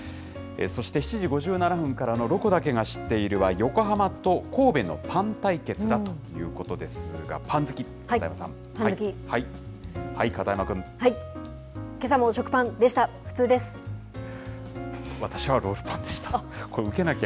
そして７時５７分からのロコだけが知っているは横浜と神戸のパン対決だということですが、パン好き、パン好き。